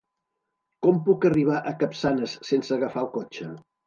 Com puc arribar a Capçanes sense agafar el cotxe?